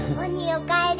おかえり。